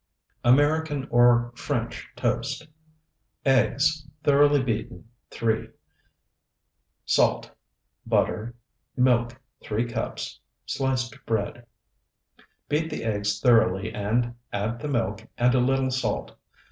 AMERICAN OR FRENCH TOAST Eggs, thoroughly beaten, 3. Salt. Butter. Milk, 3 cups. Sliced bread. Beat the eggs thoroughly and add the milk and a little salt.